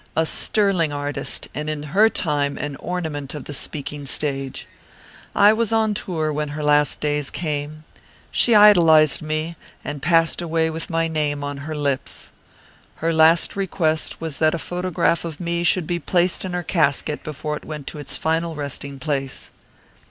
"A sterling artist, and in her time an ornament of the speaking stage. I was on tour when her last days came. She idolized me, and passed away with my name on her lips. Her last request was that a photograph of me should be placed in her casket before it went to its final resting place."